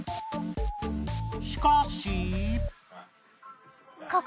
しかし。